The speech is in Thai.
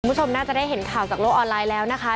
คุณผู้ชมน่าจะได้เห็นข่าวจากโลกออนไลน์แล้วนะคะ